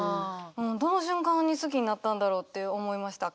どの瞬間に好きになったんだろうって思いました。